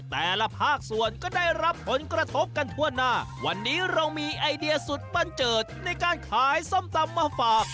แต่ละภาคส่วนก็ได้รับผลกระทบกันทั่วหน้าวันนี้เรามีไอเดียสุดบันเจิดในการขายส้มตำมาฝาก